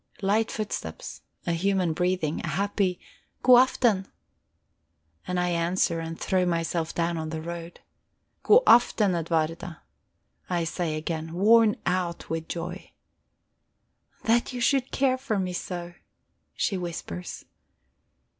Light footsteps, a human breathing, a happy "Godaften." And I answer, and throw myself down on the road. "Godaften, Edwarda," I say again, worn out with joy. "That you should care for me so!" she whispers.